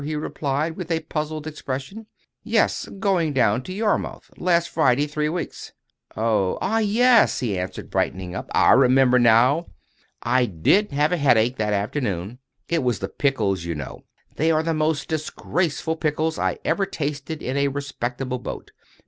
he replied, with a puzzled expression. "Yes; going down to Yarmouth, last Friday three weeks." "Oh, ah—yes," he answered, brightening up; "I remember now. I did have a headache that afternoon. It was the pickles, you know. They were the most disgraceful pickles I ever tasted in a respectable boat.